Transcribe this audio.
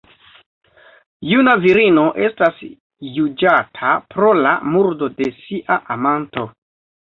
Juna virino estas juĝata pro la murdo de sia amanto.